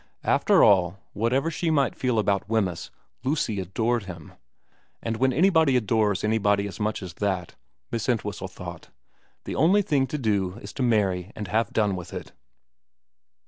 After all, whatever she might feel about Wemyss Lucy adored him, and when anybody adores anybody as much as that, Miss Entwhistle thought, the only thing to do is to marry and have done with it.